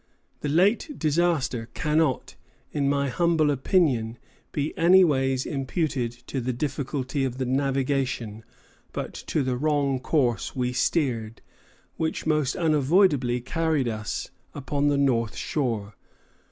"The late disaster cannot, in my humble opinion, be anyways imputed to the difficulty of the navigation, but to the wrong course we steered, which most unavoidably carried us upon the north shore.